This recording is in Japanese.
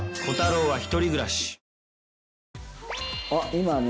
今ね